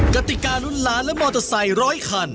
กติการุ้นล้านและมอเตอร์ไซค์ร้อยคัน